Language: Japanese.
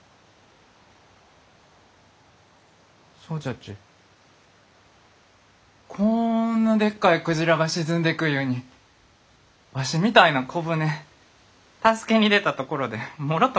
そうじゃちこんなでっかいクジラが沈んでくゆうにわしみたいな小舟助けに出たところでもろとも沈むき。